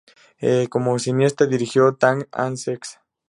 Como cineasta dirigió "Tango and sex".